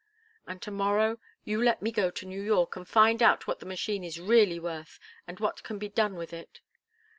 And to morrow you let me go to New York, and find out what the machine is really worth, and what can be done with it."